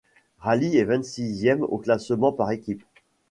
Rally est vingt-sixième au classement par équipes.